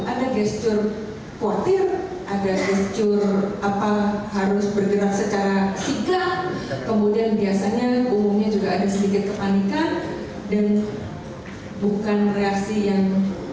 ada gestur portir ada gestur harus bergerak secara siga kemudian biasanya umumnya juga ada sedikit kepanikan dan bukan reaksi yang